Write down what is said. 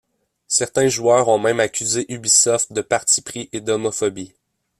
Certains joueurs ont même accusés Ubisoft de parti pris et d'homophobie.